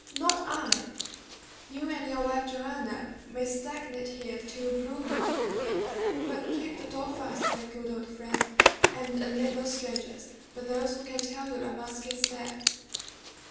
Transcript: "Not I! You and your wife Joanna may stagnate here till you blue mold, for me. But keep the door fast, my good old friend, and admit no strangers, but those who can tell you La Masque is dead!"